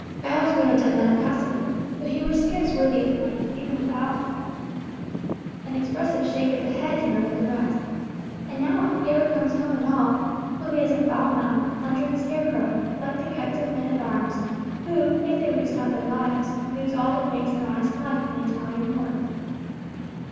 Giles would have done that passably, though he were scarce worthy of the wench, even without—" An expressive shake of the head denoted the rest. "And now if he ever come home at all, 'twill be as a foul mouthed, plundering scarecrow, like the kites of men at arms, who, if they lose not their lives, lose all that makes an honest life in the Italian wars.